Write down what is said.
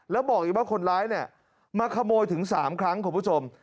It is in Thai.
แล้วบอกอีกว่าคนร้ายเนี่ยมาขโมยถึง๓ครั้งคุณผู้ชม